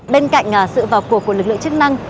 bên cạnh sự vào cuộc của lực lượng chức năng